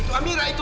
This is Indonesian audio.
itu amirah itu